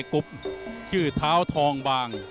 ครบชื่อตาวทองบาง